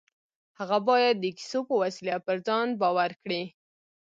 هغه بايد د کيسو په وسيله پر ځان باور کړي.